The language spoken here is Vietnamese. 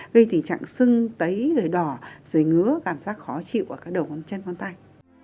gây tình trạng sưng tấy rời đỏ rời ngứa cảm giác khó chịu ở cái đầu trên con tay